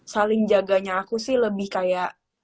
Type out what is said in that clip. saling jaganya aku sih lebih kayak